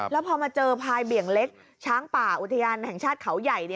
แล้วพอมาเจอพายเบี่ยงเล็กช้างป่าอุทยานแห่งชาติเขาใหญ่